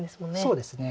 そうですね。